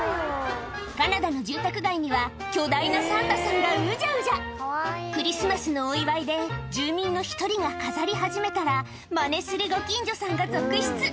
カナダの住宅街には巨大なサンタさんがうじゃうじゃクリスマスのお祝いで住民の１人が飾り始めたらマネするご近所さんが続出